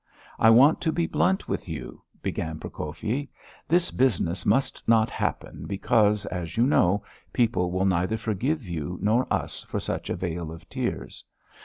"I want to be blunt with you," began Prokofyi. "This business must not happen because, as you know, people will neither forgive you nor us for such a vale of tears.